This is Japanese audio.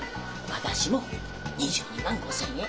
私も２２万５，０００円。